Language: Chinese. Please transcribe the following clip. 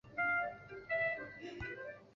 河南乡试第七十七名。